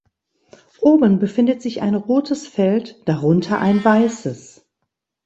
Oben befindet sich ein rotes Feld, darunter ein weißes.